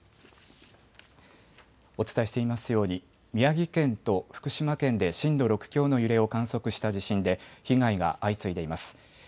お伝えしていますように宮城県と福島県で震度６強の揺れを観測した地震で被害が相次いでいます。